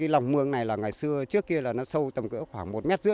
lòng mương này ngày xưa trước kia sâu tầm một năm hai mét